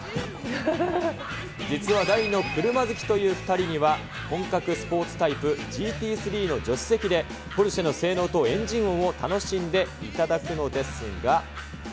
実は大の車好きという２人には、本格スポーツタイプ、ＧＴ３の助手席で、ポルシェの性能とエンジン音を楽しんでいただくのですが。